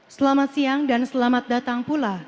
selamat siang dan selamat datang pula